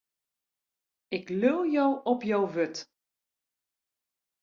Ik leau jo op jo wurd.